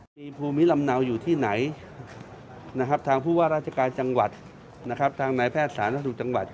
ที่ภูมิลำเนาอยู่ที่ไหนทางผู้ว่าราชกายจังหวัดทางนายแพทย์สหรัฐศูนย์จังหวัด